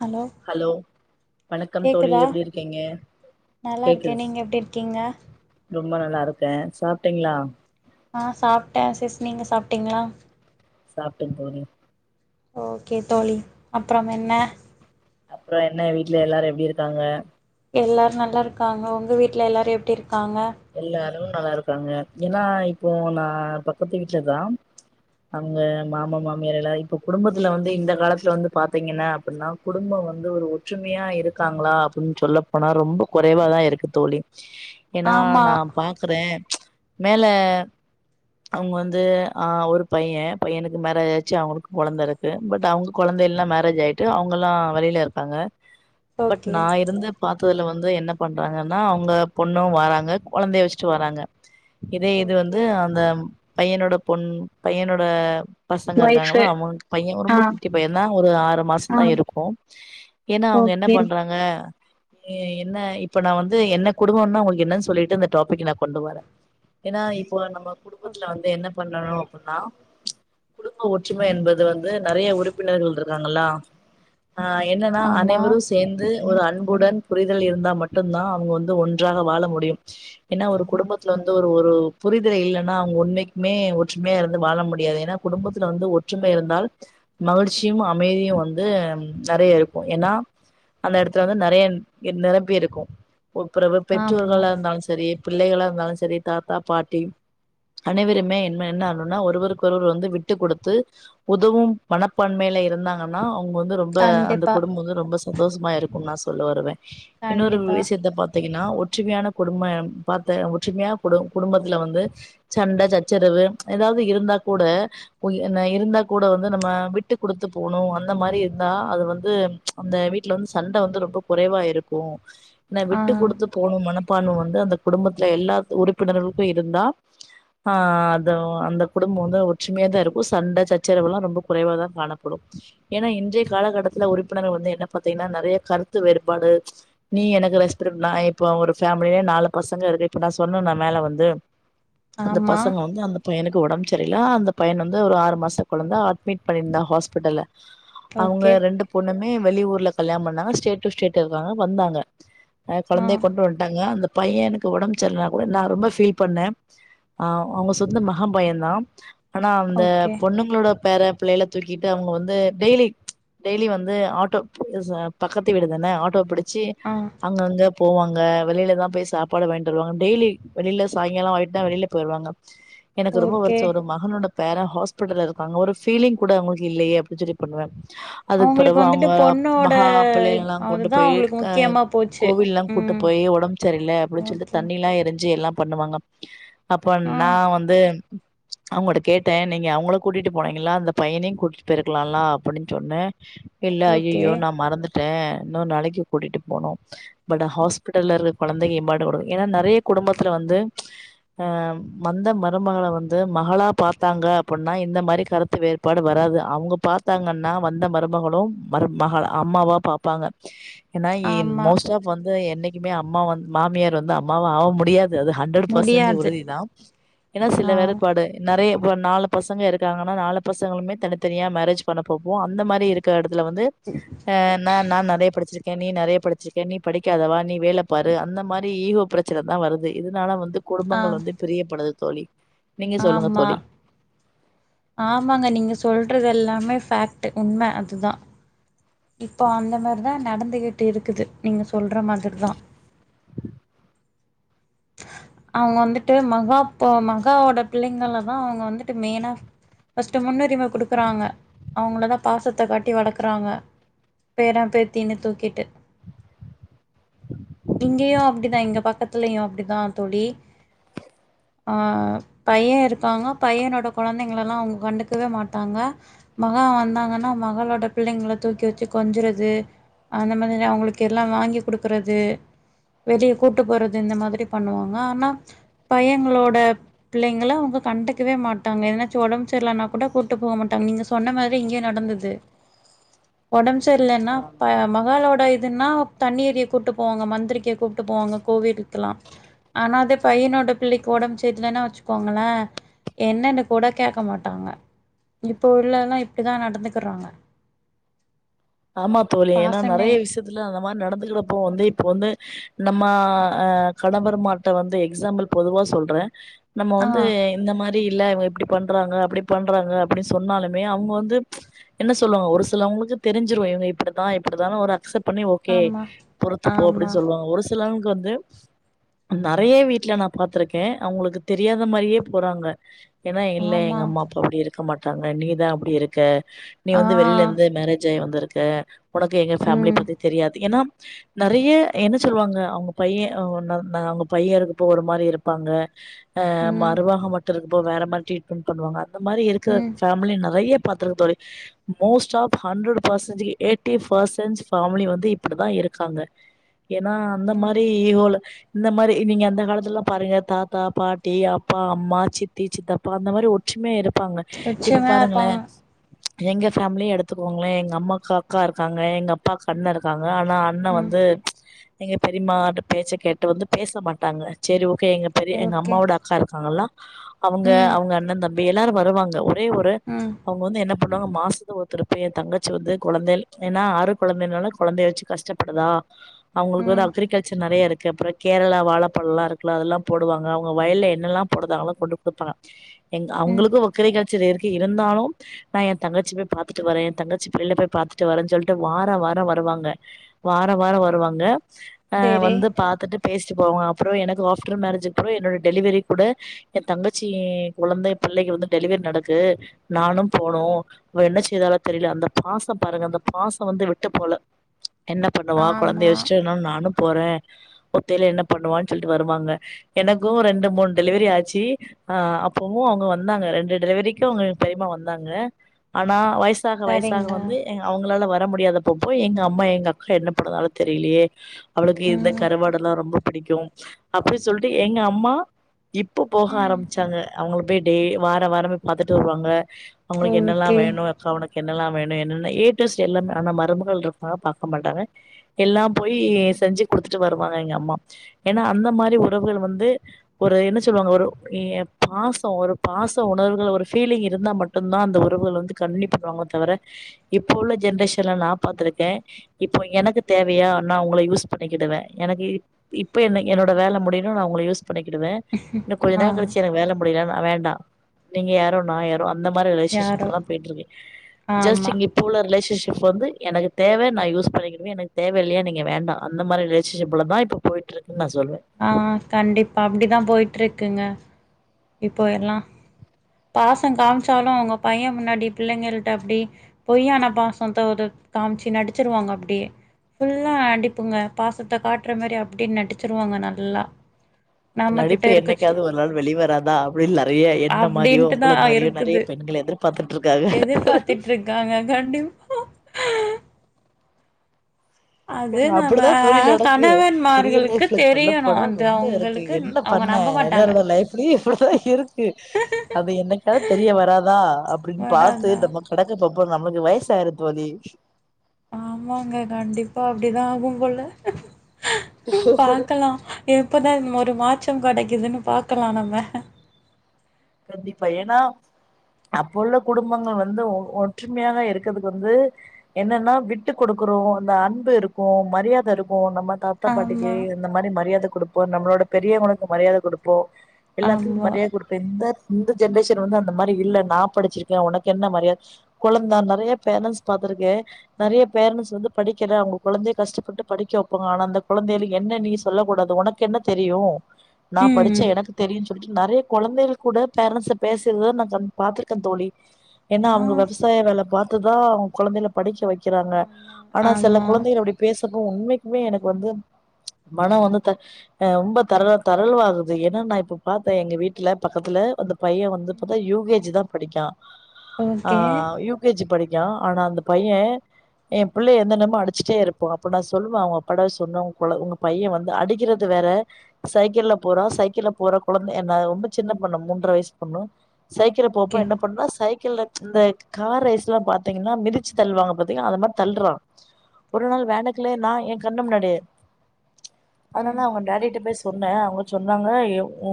Hello வணக்கம் தோழி கேக்குதா எப்டி இருக்கீங்க நல்லா இருக்கேன் கேக்குது நீங்க எப்படி இருக்கீங்க ரொம்ப நல்லா இருக்கேன் சாப்பிட்டீங்களா ஆஹ் சாப்பிட்டேன் சிஸ் நீங்க சாப்பிட்டீங்களா சாப்பிட்டோ தோழி ஓகே தோழி அப்புறம் என்ன அப்புறம் என்ன வீட்டுல எல்லாரும் எப்படி இருக்காங்க எல்லாரும் நல்லா இருக்காங்க உங்க வீட் வீட்டில் எல்லாரும் எப்படி இருக்காங்க எல்லாரு நல்லா இருக்காங்க ஏன்னா இப்போ நா பக்கத்து வீட்டுல தா அங்க மாம மாமியார் எல்லாம் இப்போ குடும்பத்துல வந்து இந்த காலத்துல வந்து பாார்த்தீங்கன்னா அப்படின்னா குடும்பம் வந்து ஒரு ஒற்றுமையா இருக்காங்களா அப்படின்னு சொல்ல போனா ரொம்ப குறைவா தான் இருக்கு தோழி ஏன்னா ஆமா நா பாக்குறே மேல அவங்க வந்து ஆஹ் ஒரு பையன் பையனுக்கு மேரேஜ் ஆச்சு அவங்களுக்கு குழந்தை இருக்கு பட் அவங்க குழந்தை இல்லாமேரேஜ் ஆயிட்டு அவங்க எல்லாம் வெளியில இருக்காங்க பட் ஓகே நா இருந்து பா பாத்ததெல்லா வந்து என்ன பண்றாங்கன்னா அவங்க பொண்ணும் வராங்க கொழந்தைய வச்சுட்டு வராங்க இதே இது ஓகே வந்து அந்த பையனோட பொண் பையனோட பசங்க ஒய்ஃபு இருக்காங்களா அவங்க பையன் ஆ ரொம்ப குட்டி பையன் தான் ஒரு ஆறு மாசம ஆ தான் இருக்கும் ஏன்னா அவங்க என்ன ஓகே பண்றாங்க எ என்ன இப்ப நா வந்து என்ன குடும்பம்னா உங்களுக்கு என்னன்னு சொல்லிட்டு அந்த டாபிக் நா கொண்டு வரேன் ஏன்னா இப்ப நம்ம குடும்பத்துல வந்து என்ன என்ன பண்ணணும் அப்படின்னா குடும்ப ஒற்றுமை என்பது வந்து நிறைய உறுப்பினர்கள் இருக்காங்களா ஆஹ் என்னன்னா ஆமா அனைவரும் சேர்ந்து ஒரு அன்புடன் புரிதல் இருந்தா மட்டும் தான் அவங்க வந் து ஒன்றாக வாழ முடியும் ஏன்னா ஒரு குடும்பத்துல வந்து ஒரு ஒரு புரிதலை இல்லைன்னா அவங்க உண்மைக்குமே ஒற்றுமையா இருந்து வாழ முடியாது ஏன்னா குடும்பத்துல வந்து ஒற்றுமை இருந்தால் மகிழ்ச்சியும் அமைதியும் வந்து நெறைய இருக்கும் ஏன்னா அந்த இடத்துல வந்து நெறைய நிரம்பி இருக்கு பறவு ஆமா பெற்றோர்களா இருந்தாலும் சேரி பிள்ளைகளா இருந்தாலும் சேரி தாத்தா பாட்டி அனைவருமே என் என்னும்னா ஒருவருக்கொருவர் வந்து விட்டு கொடுத்து உதவும் மனப்பான்மையில இருந்தாங்கன்னா ங்க வந்து ரொம்ப அந்த கண்டிப்பா குடும்பம் வந்து ரொம்ப சந்தோஷமா இருக்கும் நா சொல்ல வருவேன் இன்னொரு கண்டிப்பா வி சித்த பார்த்தீங்கன்னா ஒற்றுமையான குடும்ப பார்த்த ஒற்றுமையான குடு குடும்பத்துல வந்து சண்டை சச்சரவு ஏதாவது இருந்தா கூட இருந்தா கூட வந்து நம்ம விட்டு கொடுத்து போகணும் அந்த மாரி இருந்தா அது வந்து அந்த வீட்டுல வந்து சண்ட வந்து ரொம்ப குறைவா இருக்கு ந விட் ஆ விட்டு கொடுத்து போணும் மனம் ப்பானு வந்து அந்த குடும்பத்துல எல்லா உறுப்பினர்களுக்கும் இருந்தா ஆஹ் அதோ அந்த குடும்பம் வந்து ஒற்றுமையா தான் இருக்கும் சண்ட சச்சரவு எல்லாம் ரொம்ப குறைவா தான் காணப்படும் ஏன்னா இன்றைய காலகட்டத்துல உறுப்பினர வந்து என்ன பாத்தீங்கன்னா நெறைய கருத்து வேறுபாடு நீ எனக்கு நான் இப்போ ஒரு ஃபேமிலயே நாலு பசங்க இருக்கு இப்பனா சொன்னா நான் மேல வந்து அந்த ஆமா பசங்க வந்து அந்த பையனுக்கு உடம்பு சரில அந்த பையன் வந்து ஒரு ஆறு மாசம் குழந்தா அட்மிட் பண்ணியிருந்தான் ஹாஸ்பிட்டல்ல அவங்க ஓகே ரெண்டு பொண்ணுமே வெளி ஊர்ல கல்யாண பண்ணாங்க ஸ்டேட் டு ஸ்டேட் இருக்காங்க வந்தாங்க அஹ் ஆ குழந்தய கொண்டு வன்டாங்க அந்த பையனுக்கு உடம் சல்லனா கூட நான் ரொம்ப ஃபீல் பண்ணன் ஆஹ் அவங்க சொந்த மகாம் பையன் தான் ஆனா அந்த ஓகே பொண்ணுங்களோட பேர பிள்ளைல தூக்கிட்டு அவங்க வந்து டெய்லி டெய்லி வந்து ஆட்டோ பக்கத்து விடுதான ஆட்டோ பிடி ச்சி ஆ ங்க போவாங்க வெளில தான் போய் சாப்பாடு வாய்ட்டு வருவாங்க டெய்லி வெளியில சாயங்காலம் ஆயிட்ட தான் வெளியில போய்ருவாங்க எனக்கு ரொம்ப ஓகே வருஷம் ஒரு மகன் ஒன்னு வேற ஹாஸ்பிட்டல்ல இருக்காங்க ஒரு ஃபீலிங் கூட அவங்களுக்கு இல்லையே அப்டின்னு [unintelligible] பண்ணுவ அவங்களுக்கு வந்துட்டு பொண்ணோட அதுதான் அவங்களுக்கு முக்கியமா போச்சு. கோவில்லாம் கூட்டு ம். போய் உடம்பு செரில அப்டின்னு சொல்ட்டு ஓகே. தண்ணில்லா எரி ச்சி எல்லாம் பண்ணுவாங்க அப்போ ஆ. நான் வந்து அவங்கட்ட கேட்டேன் நீங்க அவங்களோ கூட்டிட்டு போனீங்கங்களா அந்த பையனையும் கூட்டிட்டு போயிருக்கலாம்லா அப்டின்னு சொன்னே இல்ல ஓகே. ஐயையோ நான் மறந்து டேன் இன்னொறு நாளைக்கு கூட்டிட்டு போனோம் பட் ஹாஸ்பிடல்ல இரு குழந்தங்க ஏம்பாடுடு ஏன்னா நெறைய குடும்பத்துல வந்து அஹ் வந்த மருமகள வந்து மகளா பார்த்தாங்க அப்புன்னா இந்த மாரி கருத்து வேறுபாடு வராது அவங்க பார்த்தாங்கன்னா வந்த மருமகளும் மரு மாகளா அம்மாவா பாப்பாங்க கின் ஆமா. மோஸ்ட் ஆப் வந்து என்னைக் கியுமே அம்மா வன் மாமியார் வந்து அம்மாவ ஆவ முடியாது அது அது ஹண்டரட் பசஜி முடியாது. உறுதி தான் ஏனா ஆ. சில வேறுபாடு நெறைய இப்ப நாலு பசங்க இருக்காங்கன்னா நாலு பசங்களுமே தனித்தனியா மேரேஜ் பண்ண பாப்போம் அந்த மாரி இருற இடத் துல வந்து ஆஹ் நான் நான் நெறைய படிச்சிரு கேன் நீ நெரைய படிச்சியிருக்கேன் நீ படிக்காதவா நீ வேல பாரு அந்த மாரி ஈகோ பிரச்சன தான் வருது இதனால வந் து ஆ. குடும்பங்கள் வந்து பிரியப்படுது தோலி நீங்க சொல்லுங்க ஆமா. தோலி ஆமாங்க நீங்க சொல்றது எல்லாமே ஃபேக்ட் உண்மை அதுதா இப்போ அந்த மாரிதா நடந்துகிட்டு இருக்குது நீங்க சொல்ற மாதிரிதா அவங்க வந்துட்டு மகா இப்போ மகாவோட பிள்ளைங்களதா அவங்க வந்துட்டு மெய்னா ஃபஸ்ட் முன்னுரிம குடுக்குறாங்க அவங்களதா பாசத்த காட்டி வளக்குறாங்க பேரா பேத்தினு தூக்கிட்டு இங்கயு அப்டிதா இங்க பக்கத்துலயு அப்டிதா தோழி ஆஹ் பைய இருக்காங்க பையனோட கொழந்தைங்களல்லா அவங்க கண்டுக்கவே மாட்டாங்க மகா வந்தாங்கன்னா மகளோட பிள்ளைங்களை தூக் கி வச்சு கொஞ்சுறது அந்த மாதிரிதா அவங்களுக்கு எல்லா வாங்கி குடுக்கறது வெளிய கூட்டு போறது இந்த மாதிரி பண்ணுவாங்க ஆனா பையங்களோட பிள்ளைங்கள அவங்க கண்டுக்கவே மாட்டாங்க எதுனாச்சு ஒடம்பு சரியில்லனா கூட கூட்டு போக மாட்டாங்க நீங்க சொன்ன மாரி இங்கயு நடந்தது ஒடம் பு சரியலன்னா இப்ப மகாளோட இது ன்னா தண்ணி ஏறிய கூட்டு போவாங்க மந்திரிக்க கூப்ட்டு போவாங்க கோவிலுக்கெல்லா ஆனா அதே பையனோட பிள்ளைக்கு ஒடம்பு சரியில்லன்னா வச்சுக்கோங்களே என்னன்னு கூட கேக்க மாட்டாங்க இப்ப உள்ளவங்கல்லா இப்டிதா நடந்துக்குறாங்க ஆமா தோழி ஏன்னா நெறைய விஷயத்துல அந்த மாரி நடந்துகிறப்போ வந்து இப்ப வந்து நம்ம அஹ் கடம்பருமாட்ட வந்து எக்ஸாம்பிள் பொதுவா சொல்றே நம்ம ஆ வந்து இந்த மாரி இல்ல இவங்க இ ப்டி பண்றாங்க அப்டி பண்றாங்க அப்டின்னு சொன்னாலுமே அவங்க வந்து என்ன சொல்லுவாங்க ஒரு சிலவங்களுக்கு தெரிஞ்சிரு இவங்க இப்டிதா இப்டிதான்னு ஒரு அக்செப்ட் பண்ணி ஓகே ஆமாம் பொறுத்து போ அப்டின்னு ஆமாம் சொல்வாங்க ஒரு சிலவங் க வந்து நெறைய வீட்ல நா பாத்திருக்கே அவங்களுக்கு தெரியாத மாரியே போறாங்க ஏன்னா இல்ல எங்க ஆமாம் அம்மா அப்பா அப்டி இருக் க மாட்டாங்க நீதா அப்டி இருக்க நீ ஆ வந்து வெளில இருந்து மேரே ஜாயி வந்திருக்க உனக்கு எங்க ஃபேமிலி ம் பத்தி தெரியாது ஏன்னா நெறைய என்ன சொல்லுவாங்க அவுங்க பைய அவு ன னா அவுங்க பைய இருக்கப்ப ஒரு மாரி இருப்பாங்க ஆஹ் ம் மருமக மட்டு இருந் இப்போ வேற மாரி ட்ரீட்மெண்ட் பண்ணுவாங்க அந்த மாரி இருக்குற ம் ஃபேமிலி நெறைய பாத்திருக்கே தோழி மோஸ்ட் ஆஃப் ஹண்ரட் பர்சன்டேஜுக்கு எயிட்டி பர்சன்ட்ஸ் ஃபேமலி வந்து இப்படிதா இருக்காங்க ஏன்னா அந்த ம் மாரி இவ்ள இந்த மாரி நீங்க அந்த காலத்துலல்லா பாருங்க தாத்தா பாட்டி அப்பா அம்மா சித்தி சித்தப்பா அந்த மாரி ஒற்றுமையா இருப் பாங்க இப்ப லட்சியமாக பாருங்களே இருப்பாங்க எங்க ஃபேமலியே எடுத் த்துக்கோங்களே எங்க அம்மாக்கு அக்கா இருக்காங்க எங்க அப்பாக்கு அண்ண இருக்காங் வேனா அண்ண ம் வந்து எங்க பெரியம்மாவுட பேச்ச கேட்டு வந்து பேச மாட்டாங்க செரி ஓ கே எங்க பெரிய எங்க ஓகே அம்மாவோட அக்கா இருக்காங்கல்ல அவுங்க ம் அவுங்க அண்ணந் தம்பி எ ல்லாரு வருவாங்க ஒ ஒரே ஒரு ம் அவுங்க வந்து என்ன ஃபுல்லா மாசத்துல வரு திருப்பி என் தங்கச்சி வந்து குழந்தையில் ஏன்னா ஆறு குழந்தைனால குழந்தைய வச்சு கஷ்டப்படுதா அவுங்களுக்கு ம் வந்து அக்ரிகல்ச்சர் நறைய இருக் கு அப்புறம் கேரளா வாழப்பழம் எல்லாம் இருக்குல்ல அதெல்லாம் போடுவாங்க அவுங்க வயல்ல என்னெல்லாம் போடுறாங்களோ கொண்டுபோய் கொடுப்பாங்க ஏங்க ம் அவுங்களுக்கு ஒக்கரை கல்ச்சர் இருக் இருந்தாலும் நான் என் தங்கச்சி போய் பார்த் துட்டு வரேன் தங்கச்சி புள்ளைங்கள போய் பார்த்துட்டு வரேன்னு சொல்லிட்டு வாரம் வாரம் வருவாங்க வாரம் வாரம் வருவாங்க ஆஹ் சரி வந்து பாத்துட்டு பேசிட்டு போவோம் அப்புறம் எனக்கு ஆப்டர் மேரேஜ் அப்புறம் என்னோட டெலிவரிக் கூட என் தங்கச்சி இ குழந்தை பிள்ளைகளும் வந்து டெலிவரி நடக்கு நானும் போணும் என்ன னு தெரியல அந்த பாசம் பாருங்க அந்த பாசம் வந்து விட்டு போல என்ன பண்ணுவா குழந்தைய ஆமாம் வச்சுட்டு நானும் போறேன் ஒத்தையில என்ன பண்ணுவான்னு சொல்லிட்டு வருவாங்க எனக்கும் ரெண்டு மூணு டெலிவரி ஆச்சு ஆ அப்பவும் அவுங்க வந்தாங்க ரெண்டு டெலிவரிக்கும் அவுங்க பெரியமா வந்தாங்க ஆனா வயசாக வயசாக சரிங்க வந்து ஏ அவுங்களால வர என்னால முடியாதப்பப்போ எங்க அம்மா எங்க அக்கா என்ன பண்ணந்தாலும் தெரியலையே அவளுக்கு ம் இந்த கருவாடு எல்லாம் ரொம்ப பிடிக்கும் அப்படின்னு சொல்லிட்டு எங்க அம்மா இப்ப போக ம் ஆரம்பிச்சாங்க அவுங்களு அப்படியே வாரம் வாரம் போய் பாத்துட்டு வருவாங்க அவுங்களுக்கு ஓகே என்னெல்லாம் வேணும் என்னெல்லாம் வேணும் என்னன ஏ டூ ஜெட் ஆனால் மருமகள் இருக்கா பாக்க மாட்டாங்க எல்லாம் போய் செஞ்சு குடுத்துட்டு வருவாங்க எங்க அம்மா ஏன்னா அந்த மாதிரி உறவுகள் வந்து ஒரு என்ன சொல்லுவாங்க ஒரு பாசம் ஒரு பாச உணர்வுகள் ஒரு பீலிங் இருந்தா மட்டும்தான் அந்த உறவுகள் வந்து கன்டின்யூ பண்ணுவாங்க தவிர இப்போ உள்ள ஜென்ரேஷன்ல நான் பாத்திருக்கேன் இப்போ எனக்கு தேவையா நான் உங்கள யூஸ் பண்ணிக்கிடுவேன் எனக்கு இப்ப என்ன ம் என்னோட வேலை முடியும் உங்கள யூஸ் பண்ணிக்கிடுவேன் இன்ன கொஞ்ச ஆ நாள் கழிச்சு எனக்கு வேலை முடியலனா வேண்டா நீங்க யாரோ நான் யாரோ அந்த மாதிரி ரிலஷன்ஷப்ஸ் யாரோ எல்லாம் போயிட்டு இருக்கு ஜஸ்ட் ஆமா இங்க இப்போ உள்ள ரிலேஷன்ஷிப் ஸ்டேபிள் எனக்கு தேவை நான் யூஸ் பண்ணிகிடுவேன் எனக்கு தேவை இல்லையா நீங்க வேண்டாம் அந்த மாதிரி ரிலேஷன்ஷிப்ல தான் இப்ப போயிட்டு இருக்கு ஆஹ் கண்டிப்பா அப்டிதான் போயிட்டு இருக் குங்க இப்போ எல்லாம் பாசம் காமிச்சாலும் அவுங்க பையன் முன்னாடி பிள்ளைங்கள்ட்ட அப்டி பொய்யான பாசத்த காமிச்சு நடிச்சிருவாங்க அப்படியே ஃபுல்லா நடிப்புங்க பாசத்த காட்டுற மாரி அப்ப்டின்னு நடிச்சிருவாங்க நல்லா நம்ம கிட்ட நடிப்பு இருக்கச்சு என்னைக்காவது ஒரு நாள் வெளி வராது அப்படின்னு நறைய என்ன மாரியோ அப்டின்ட்டுதா உங்க மாரியோ நறைய இருக்குது பெண்கள் எதிர்பார்த்துட்டு இருக்காங்க எதிர்பாத்துட்ருக்காங்க கண்டிப்பா அது நம்ம அப்படிதான் தோழி நடக்கு ரியல் கணவன்மார்களுக்கு லைஃப்ல சொல்ல தெரியணு போனா அது ரொம்ப எரக்கு அவங்களுக்கு என்ன அவங்க பண்ண நம்ப மாட்டாங்க எல்லாரோட லைஃப்லயும் இப்படிதான் இருக்கு அது என்னக்கா தெரிய வராதா அப்படின்னு பார்த்து வராதா நம்ம கூட கொஞ்ச அப்புறம் நம்மளுக்கு வயசாயிரும் தோழி ஆமாங்க கண்டிப்பா அப்படிதான் ஆகும் போல பாக்கலாம் எப்பதான் ஒரு மாற்றம் கெடைக்குதுன்னு பாக்கலா நம்ம கண்டிப்பா ஏன்னா அப்ப உள்ள குடும்பங்கள் வந்து ஒ ஒற்றுமையாக இருக்கிறதுக்கு வந்து என்னன்னா விட்டு கொடுக்குறோம் அந்த அன்பு இருக்கும் மரியாத இருக்கும் நம்ம தாத்தா பாட்டிக்கு ஆமா இந்த மாரி மரியாத கொடுப் இப்போ நம்மளோட பெரியவங்கக்கு மரியாத கொடுப்போம் எல்லாத்துயும் ஆமா மரியாத கொடுப்ப இந்த இந்த ஜென்ரேஷன் வந்து அந்த மாரி இல்ல நா படிச்சிருக்கேன் உனக்கு என்ன மரியாது கொழந்தா நெறைய பேரண்ட்ஸ் பாார்த்திருக்கேன் நெறைய பேரன்ண்ட்ஸ் வந்து படிக்கல அவங்க கொழந்தைய கஷ்டப்பட்டு படிக்க வைப்பாங்க ஆனா அந்த கொழந்தைகளுக்கு என்ன நீ சொல்ல கூடாது உனக்கு என்ன தெரியும் நா ம் படிச்சேன் எனக்கு தெரிஞ் சொல்லிட்டு நெறைய கொழந்தைகளு கூட பேரன்ட்ஸ் பேசுறத நா கண் பாத்திருக்கேன் தோழி ஏன்னா ஆ அவங்க விவசாய வேல பாத் பார்த்து தான் அவங்க கொழந்தங்க படிக்க வைக் விக்கிறாங்க ஆமா ஆனா சில ஆமா கொழந்தைகள் அப்படி பேச உண்மைக்குமே எனக்கு வந்து மனம் வந்து த ஆஹ் ரொம்ப தர தரளவாகுது ஏன்னா நா இப்ப பார்த்தேன் எங்க வீட்டுல பக்கத்துல வந்து பைய வந்து ம் இப்பதா யு கே ஜி தா படிக்கா ஓகே ஆஹ் யூ கே ஜி படி யா ஆனா அந்த பைய எ பிள்ளய எந்த நேரமோ அடிச்சுட்டே இருப்போ அப்ப நா சொல்வே அவங்க அப்பட சொன்ன உங்க உங்க பைய வந்து அடிக்கறது வேற சைக்கிள்ளபோறா சைக்கிள்ளபோற குழந்த என்ன ரொம்ப சின்ன பொண்ணு மூன்ற வயசு பொண்ணு சைக்கிள் போறப்போ ஓகே என்ன பண்னா சைக்கிள்ள இந்த கார் ரைஸ்லா பாத்தீங்னா மிதிச்சு தல்வாங்க பாத்தீங்ளா அது மாரி தள்றா ஒரு ஆ நாள் வேண்டக்கலே நா ஏ கண்ணுமுன்னாடியே ம் அதனால அவங்க டேடிட்ட பேச சொன்னே அவங்க சொன்னாங்க எ உ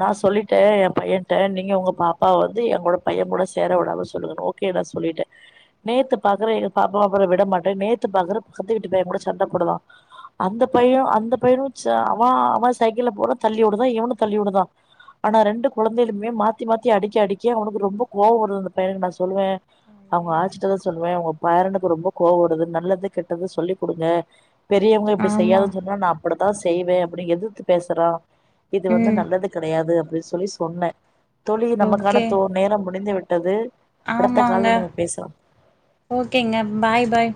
நா சொல்லிட்டே எ பையன்ட நீங்க உங்க பாப்பாவ வந்து எ கூட பைய கூட சேர விடாம சொல்லுங்ணு ஓகே நா சொல்லிட்டே நேத்து பாக்குற எ பாப்பாவ அப்பரோ விட மாட்டேன் நேத்து பாக்குறே பக்கத்து வீட்டு பைய கூட சண்ட போடுரா அந்த பைய அந்த பையனோ ச்ச அவ அவ சைக்கிள்ள போன தள்ளி வுடுதா இவனோ தள்ளி வுடுதா ஆனா ரெண்டு குழந்தைங்ளுமே மாத்தி மாத்தி அடிக்க அடிக்க அவனுக்கு ரொம்ப கோவ வருது அந்த பையனுக்கு நா சொல்லுவே அவங்க ஐயயோ ஆச்சுட்டு தா சொல்லுவே உங்க பேரனுக்கு ரொம்ப கோவவருது நல்லது கெட்டது சொல்லி குடுங்க பெரியவங்க இப்டி ஆமா செய்யாதன்னு சொன்னா நா அப்டி தா செய்வே அப்டி எதித்து பேசுறா இது வந்து ம் நல்லதுக் கிடையாது அப்டினு சொல்லி சொன்னே தோழி நமக்கான ஓகே தோ நேரம் முடிந்து விட் அது ஆமாங்க ஓகேங்க பாய் பாய்